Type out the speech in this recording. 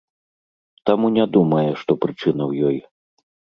Таму не думае, што прычына ў ёй.